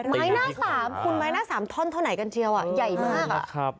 ไม้หน้าสามคุณไม้หน้าสามท่อนเท่าไหนกันเชียวใหญ่มาก